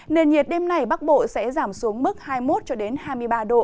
nền nhiệt đêm nay bắc bộ sẽ giảm xuống mức hai mươi một hai mươi ba độ